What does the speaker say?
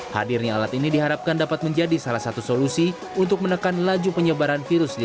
hadirnya alat ini diharapkan dapat menjadi salah satu solusi untuk menekan laju penyebaran virus di